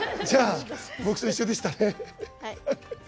じゃあ、僕と一緒でしたね。